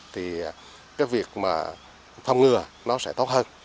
thì việc phong ngừa sẽ tốt hơn